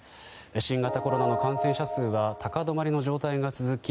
新型コロナの感染者数は高止まりの状況が続き